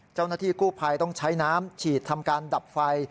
เจ้าหน้าที่กู้ภัยต้องใช้น้ำฉีดทำการดับไฟ